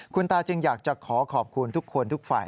คุณตาจึงอยากจะขอขอบคุณทุกคนทุกฝ่าย